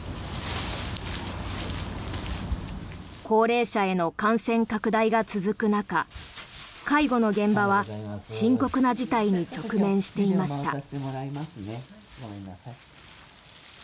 高齢者への感染拡大が続く中介護の現場は深刻な事態に直面していました。